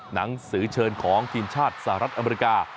หนังสือเชิญของทีมชาติสหรัฐอเมริกา